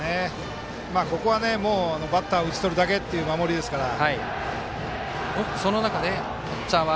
ここはバッター打ち取るだけという守りですから。